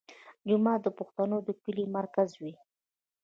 جومات د پښتنو د کلي مرکز وي.